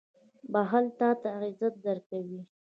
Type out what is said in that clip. • بښل تا ته عزت درکوي.